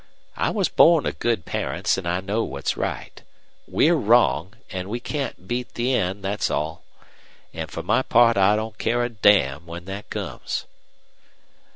I was born of good parents, an' I know what's right. We're wrong, an' we can't beat the end, that's all. An' for my part I don't care a damn when that comes."